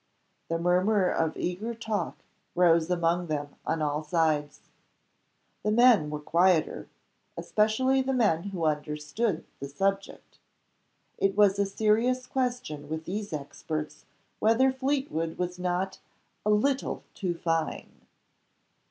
The murmur of eager talk rose among them on all sides. The men were quieter especially the men who understood the subject. It was a serious question with these experts whether Fleetwood was not "a little too fine."